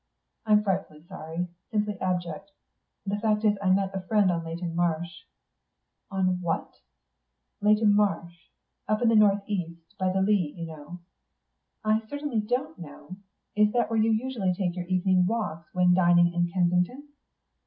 "I'm frightfully sorry; simply abject. The fact is, I met a friend on Leyton Marsh." "On what?" "Leyton Marsh. Up in the north east, by the Lea, you know." "I certainly don't know. Is that where you usually take your evening walks when dining in Kensington?"